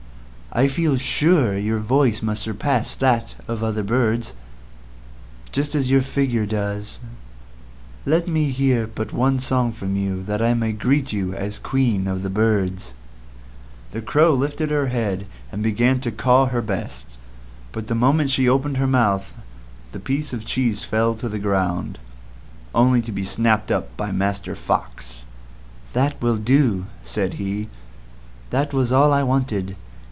I feel sure your voice must surpass that of other birds, just as your figure does; let me hear but one song from you that I may greet you as the Queen of Birds." The Crow lifted up her head and began to caw her best, but the moment she opened her mouth the piece of cheese fell to the ground, only to be snapped up by Master Fox. "That will do," said he. "That was all I wanted.